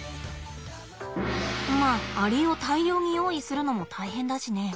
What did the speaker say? まあアリを大量に用意するのも大変だしね。